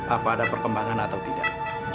apa ada perkembangan atau tidak